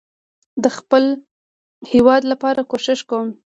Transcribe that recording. ده خپل هيواد لپاره کوښښ کوم